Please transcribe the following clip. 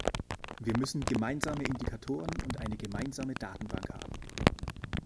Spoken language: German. Wir müssen gemeinsame Indikatoren und eine gemeinsame Datenbank haben.